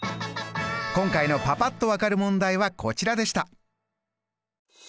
今回のパパっと分かる問題はこちらでした。